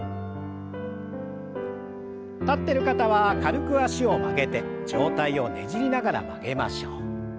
立ってる方は軽く脚を曲げて上体をねじりながら曲げましょう。